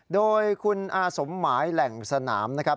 โดยคุณอาสมหมายแหล่งสนามนะครับ